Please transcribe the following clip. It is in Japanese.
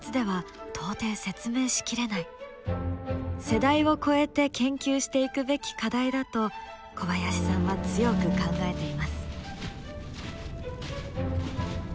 世代を超えて研究していくべき課題だと小林さんは強く考えています。